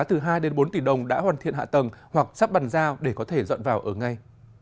từ hai đến bốn tỷ đồng đã hoàn thiện hạ tầng hoặc sắp bàn giao để có thể dọn vào ở ngay